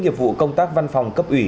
nhiệm vụ công tác văn phòng cấp ủy